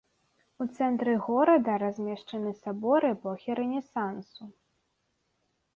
У цэнтры горада размешчаны сабор эпохі рэнесансу.